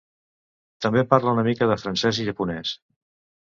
També parla una mica de francès i japonès.